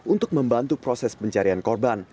untuk membantu proses pencarian korban